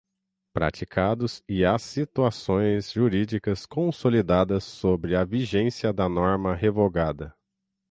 praticados e as situações jurídicas consolidadas sob a vigência da norma revogada.